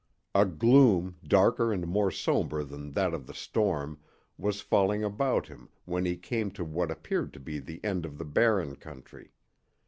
A gloom darker and more somber than that of the storm was falling about him when he came to what appeared to be the end of the Barren country.